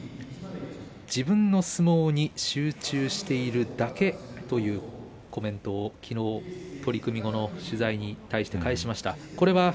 自分の相撲に集中しているだけというコメントをきのう取組後の取材に対して返しました。